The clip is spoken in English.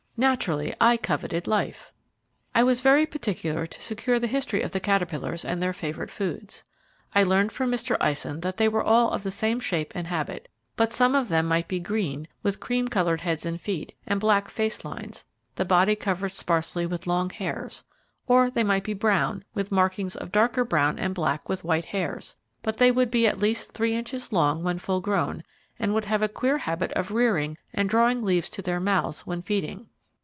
Naturally I coveted life. I was very particular to secure the history of the caterpillars and their favourite foods. I learned from Mr. Eisen that they were all of the same shape and habit, but some of them might be green, with cream coloured heads and feet, and black face lines, the body covered sparsely with long hairs; or they might be brown, with markings of darker brown and black with white hairs; but they would be at least three inches long when full grown, and would have a queer habit of rearing and drawing leaves to their mouths when feeding.